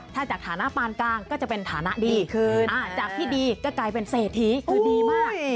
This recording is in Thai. ถ้าจากฐานะปานกลางก็จะเป็นฐานะดีขึ้นจากที่ดีก็กลายเป็นเศรษฐีคือดีมาก